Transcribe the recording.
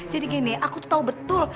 jadi gini aku tuh tau betul